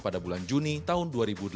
pada bulan juni tahun dua ribu dua puluh satu